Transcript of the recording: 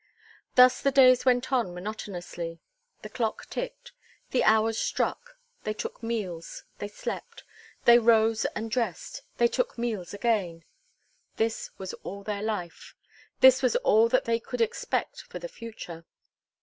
Thus the days went on monotonously. The clock ticked; the hours struck; they took meals; they slept; they rose and dressed; they took meals again this was all their life. This was all that they could expect for the future.